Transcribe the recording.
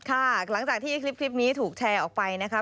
หลังจากที่คลิปนี้ถูกแชร์ออกไปนะคะ